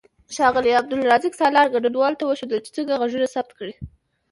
ښاغلي عبدالرزاق سالار ګډونوالو ته وښودل چې څنګه غږونه ثبت کړي.